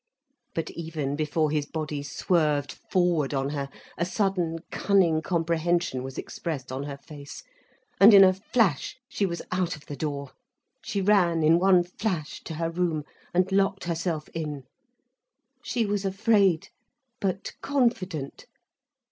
But even before his body swerved forward on her, a sudden, cunning comprehension was expressed on her face, and in a flash she was out of the door. She ran in one flash to her room and locked herself in. She was afraid, but confident.